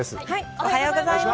おはようございます。